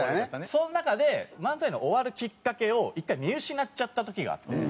その中で漫才の終わるきっかけを１回見失っちゃった時があって。